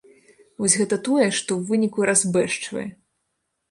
Вось гэта тое, што ў выніку разбэшчвае.